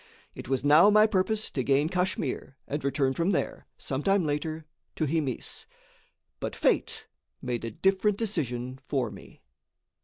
It was now my purpose to gain Kachmyr and return from there, some time later, to Himis. But fate made a different decision for me.